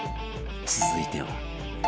続いては。